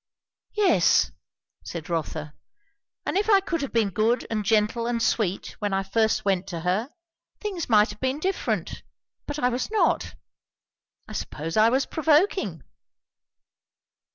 "Yes!" said Rotha; "and if I could have been good and gentle and sweet when I first went to her, things might have been different; but I was not. I suppose I was provoking."